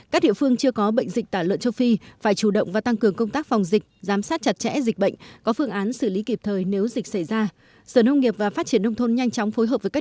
các địa phương chưa có bệnh dịch tà lợn châu phi phải chủ động và tăng cường công tác phòng dịch giám sát chặt chẽ dịch bệnh có phương án xử lý kịp thời nếu dịch xảy ra